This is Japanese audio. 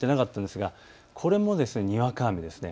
これもにわか雨です。